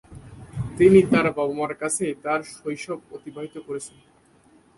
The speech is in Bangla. তিনি তাঁর বাবা-মায়ের কাছেই তাঁর শৈশব অতিবাহিত করেছেন।